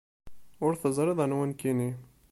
Ur teẓriḍ anwa nekkini.